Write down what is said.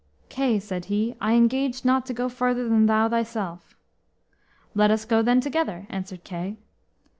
"Kay," said he, "I engaged not to go further than thou thyself." "Let us go then together." answered Kay.